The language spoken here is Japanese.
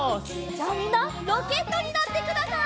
じゃあみんなロケットになってください！